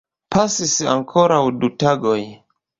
Pasis ankoraŭ du tagoj.